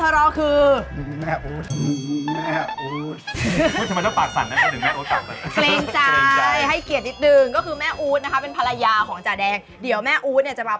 ใฟนี้มุกฮีมือจ่าแดงครับผมใช่แล้วแฟนฮีลาของจ่าแดงไปแล้วจ้า